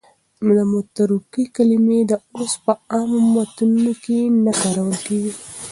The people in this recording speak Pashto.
متروکې کلمې اوس په عامو متنونو کې نه کارول کېږي.